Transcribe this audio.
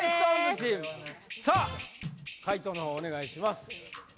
チームさあ解答のほうお願いします